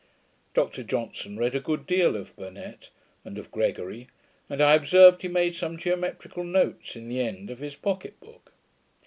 Dr Johnson read a good deal of Burnet, and of Gregory, and I observed he made some geometrical notes in the end of his pocket book.